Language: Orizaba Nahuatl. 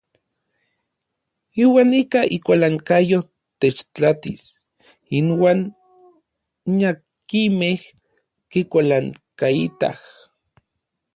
Iuan ika ikualankayo techtlatis inuan n akinmej kikualankaitaj.